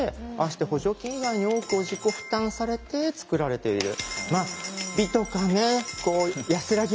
して補助金以外に多くを自己負担されて作られている。